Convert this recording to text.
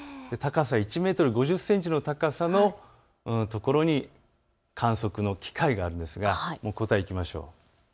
１メートル５０センチの高さの所に観測の機械があるんですが答えいきましょう。